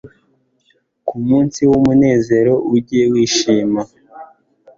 ku munsi w'umunezero ujye wishima